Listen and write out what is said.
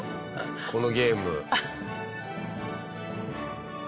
このゲーム。